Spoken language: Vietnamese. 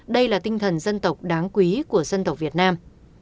đây là tinh thần dân tộc đáng quý của dân tộc việt nam